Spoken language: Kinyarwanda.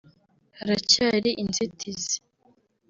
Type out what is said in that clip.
haracyari inzitizi